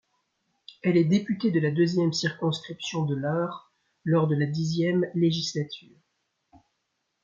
Elle est députée de la deuxième circonscription de l'Eure lors de la X législature.